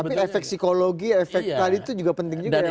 tapi efek psikologi efek tadi itu juga penting juga ya